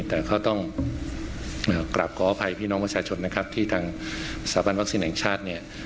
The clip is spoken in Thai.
แต่ก็ต้องกราบขออภัยพี่น้องประชาชนนะครับที่ทางสาบันวัคซีนแห่งชาติเนี่ย